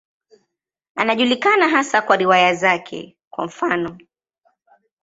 Anajulikana hasa kwa riwaya zake, kwa mfano.